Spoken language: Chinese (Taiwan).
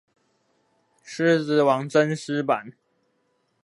獅子王真獅版